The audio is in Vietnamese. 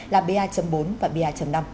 là ba bốn và ba năm